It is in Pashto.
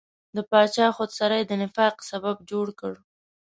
د پاچا خودسرۍ د نفاق سبب جوړ کړ.